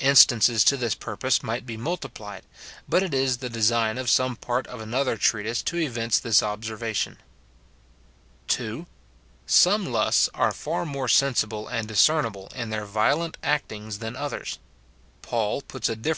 Instances to this purpose might be multiplied ; but it is the design of some part of another treatise to evince this observation. [2.] Some lusts are far more sensible and discernible in their violent actings than others. Paul puts a differ SIN IN BELIEVERS.